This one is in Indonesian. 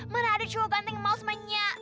mana ada cowok ganteng yang mau semuanya